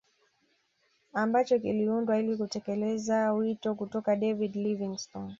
Ambacho kiliundwa ili kutekeleza wito kutoka David Livingstone